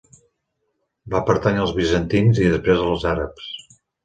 Va pertànyer als bizantins i després als àrabs.